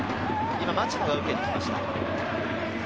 今、町野が受けにきました。